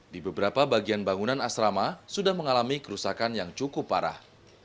di beberapa bagian bangunan asrama sudah mengalami kerusakan yang cukup parah